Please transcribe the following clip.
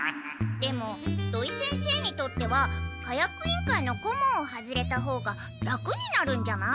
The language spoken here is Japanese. でも土井先生にとっては火薬委員会の顧問を外れたほうが楽になるんじゃない？